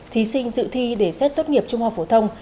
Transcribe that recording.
thí sinh dự thi để xét tốt nghiệp trung học phổ thông